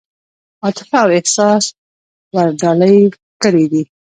عاطفه او احساس ورډالۍ کړي دي.